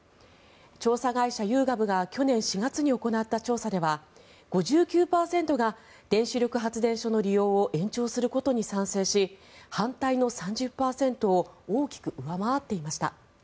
調査会社ユーガブが去年４月に行った調査では５９％が原子力発電所の利用を延長することに賛成し反対の３０％を大きく上回っていました。